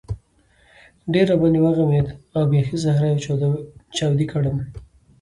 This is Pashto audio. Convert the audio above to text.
ډېر را باندې وغمېد او بېخي زهره چاودی کړم.